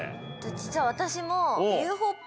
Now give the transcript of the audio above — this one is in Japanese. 実は私も。